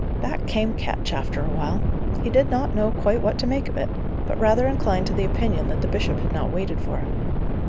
Back came Ketch, after a while. He did not know quite what to make of it, but rather inclined to the opinion that the bishop had not waited for him.